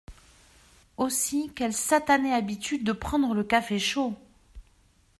Aussi, quelle satanée habitude de prendre le café chaud !